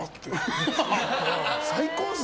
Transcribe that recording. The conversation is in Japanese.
最高ですね。